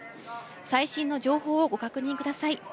最新の情報をご確認ください。